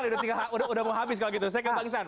dibilang itu kelompok kriminal